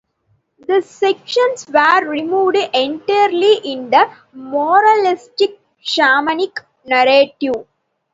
These sections were removed entirely in the moralistic shamanic narrative.